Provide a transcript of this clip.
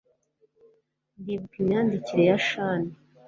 Ndibuka imyandikire ya Shane